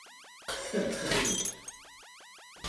Sırası değil.